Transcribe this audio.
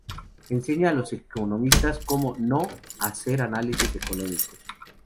Enseña a los economistas cómo "no" hacer análisis económicos.